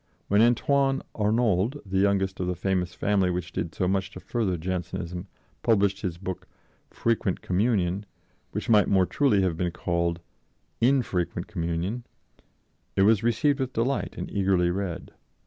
When Antoine Arnauld, the youngest of the famous family which did so much to further Jansenism, published his book Frequent Communion, which might more truly have been called "_In_frequent Communion," it was received with delight and eagerly read.